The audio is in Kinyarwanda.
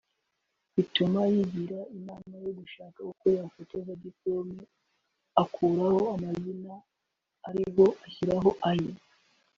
bituma yigira inama yo gushaka uko afotoza indi diplome akuraho amazina ariho ashyiraho aye